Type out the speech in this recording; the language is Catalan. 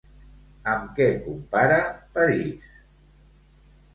Amb què compara París?